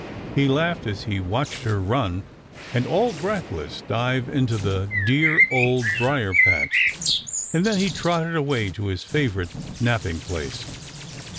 He laughed as he watched her run and, all breathless, dive into the dear, Old Briar patch, and then he trotted away to his favorite napping place.